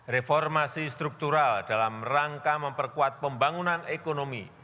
reformasi struktural dalam rangka memperkuat pembangunan ekonomi